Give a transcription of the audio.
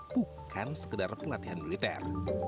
bukan sekedar pelatihan liter